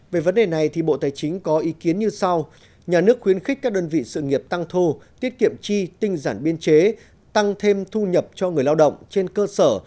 về vấn đề này bộ tài chính có ý kiến như sau nhà nước khuyến khích các đơn vị sự nghiệp tăng thu tiết kiệm chi tinh giản biên chế tăng thêm thu nhập cho người lao động trên cơ sở